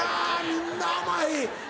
みんな甘い。